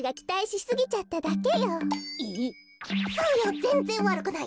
そうよぜんぜんわるくない。